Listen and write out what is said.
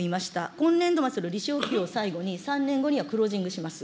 今年度末の利子補給を最後に３年後にはクロージングします。